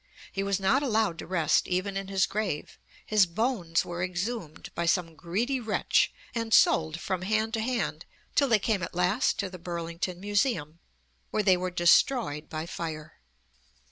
He was not allowed to rest even in his grave. His bones were exhumed by some greedy wretch and sold from hand to hand till they came at last to the Burlington Museum, where they were destroyed by fire.